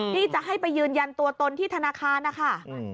ที่จะให้ไปยืนยันตัวตนที่ธนาคารนะคะ